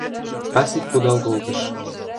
Стасик кудал колтыш.